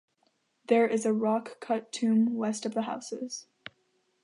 There is a rock-cut tomb west of the houses.